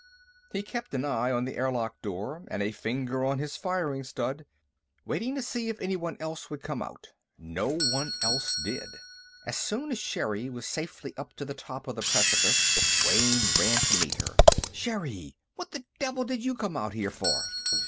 _ He kept an eye on the airlock door and a finger on his firing stud, waiting to see if anyone else would come out. No one else did. As soon as Sherri was safely up to the top of the precipice, Wayne ran to meet her. "Sherri! What the devil did you come out here for?"